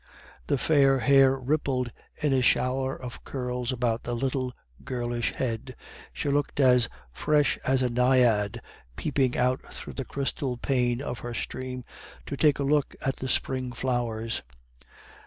The fair hair rippled in a shower of curls about the little girlish head, she looked as fresh as a naiad peeping out through the crystal pane of her stream to take a look at the spring flowers.